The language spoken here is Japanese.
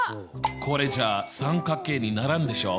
これじゃあ三角形にならんでしょ。